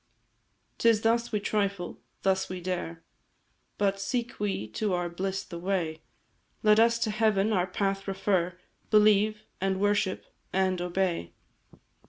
"'Tis thus we trifle, thus we dare; But, seek we to our bliss the way, Let us to Heaven our path refer, Believe, and worship, and obey.